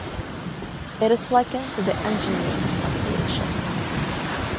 It is likened to the 'engine-room' of creation.